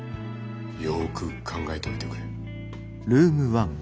よく考えといてくれ。